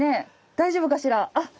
大丈夫かしら？